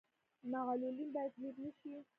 معلولین باید هیر نشي